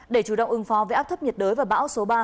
để chủ động ứng phó với áp thấp nhiệt đới và bão số ba